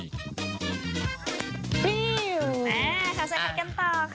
บ๊วยวข้าวใช้แพ็ทกับเขาต่อค่ะ